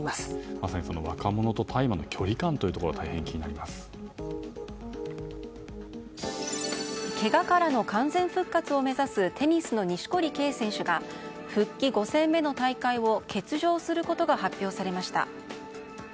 まさに、若者と大麻の距離感というところがけがからの完全復活を目指すテニスの錦織圭選手が復帰５戦目の大会を欠場することが発表されました。